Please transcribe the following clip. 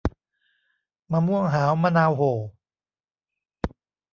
มะม่วงหาว มะนาวโห่